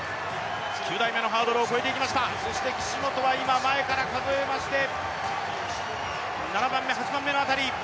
岸本は今、前から数えまして８番目の辺り。